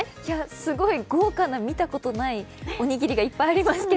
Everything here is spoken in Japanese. すごい豪華な見たことないおにぎりがいっぱいありますが。